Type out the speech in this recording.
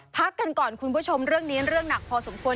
พักกันก่อนคุณผู้ชมเรื่องนี้เรื่องหนักพอสมควร